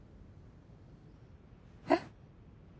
えっ？